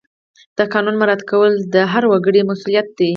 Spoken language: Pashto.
د قانون مراعات کول د هر وګړي مسؤلیت دی.